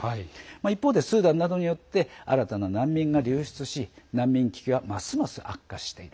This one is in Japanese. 一方、スーダンなどの難民が流出し、難民危機はますます悪化している。